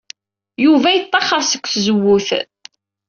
Yuba yettaxer-d seg tzewwut.